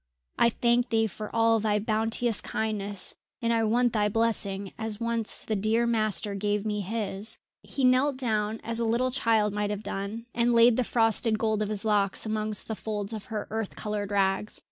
I thank thee for all thy bounteous kindness, and I want thy blessing as once the dear master gave me his!" He knelt down as a little child might have done, and laid the frosted gold of his locks amongst the folds of her earth coloured rags.